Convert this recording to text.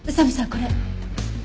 これ。